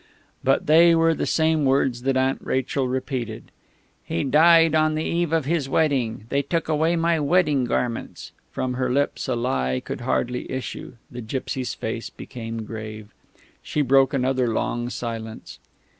But they were the same words that Aunt Rachel repeated: "He died on the eve of his wedding; they took away my wedding garments...." From her lips a lie could hardly issue. The gipsy's face became grave.... She broke another long silence.